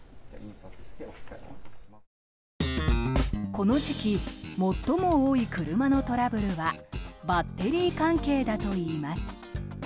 この時期、最も多い車のトラブルはバッテリー関係だといいます。